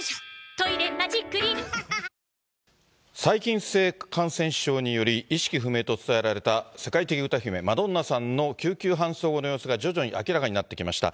「トイレマジックリン」細菌性感染症により、意識不明と伝えられた世界的歌姫、マドンナさんの救急搬送後の様子が徐々に明らかになってきました。